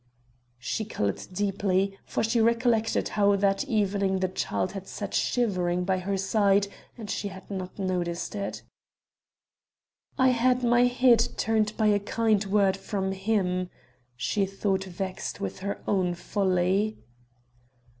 She colored deeply, for she recollected how that evening the child had sat shivering by her side and she had not noticed it. "I had my head turned by a kind word from him...." she thought vexed with her own folly.